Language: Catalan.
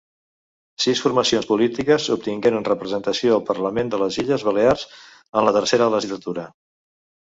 Sis formacions polítiques obtingueren representació al Parlament de les Illes Balears en la Tercera Legislatura.